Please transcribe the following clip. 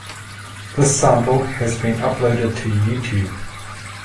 This sample has since been uploaded to YouTube.